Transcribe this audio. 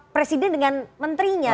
presiden dengan menterinya